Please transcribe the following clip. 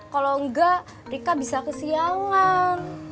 kalau enggak rika bisa kesiangan